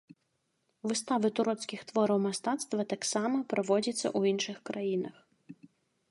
Выставы турэцкіх твораў мастацтва таксама праводзяцца ў іншых краінах.